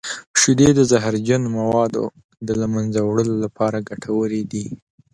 شیدې د زهرجن موادو د له منځه وړلو لپاره ګټورې دي.